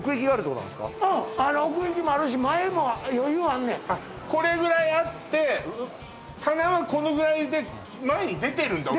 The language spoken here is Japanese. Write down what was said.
うん奥行きもあるし前も余裕あんねんあっこれぐらいあって棚はこのぐらいで前に出てるんだ